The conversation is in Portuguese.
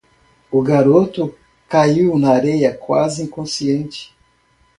O garoto caiu na areia quase inconsciente.